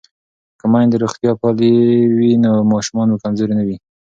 که میندې روغتیا پالې وي نو ماشومان به کمزوري نه وي.